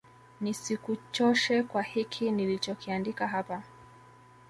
nisikuchoshe kwa hiki nilichokiandika hapa